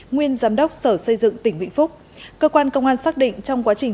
nguyên giám đốc sở xây dựng tỉnh vĩnh phúc cơ quan công an xác định trong quá trình